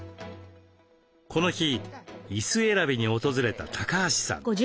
この日椅子選びに訪れた高橋さん。